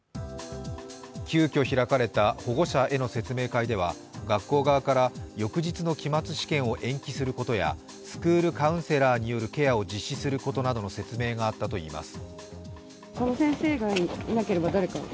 急きょ開かれた保護者への説明会では学校側から翌日の期末試験を延期することや、スクールカウンセラーによるケアを実施することなどの説明があったといいます。